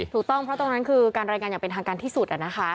ถูกต้องเพราะตรงนั้นคือการรายงานอย่างเป็นทางการที่สุด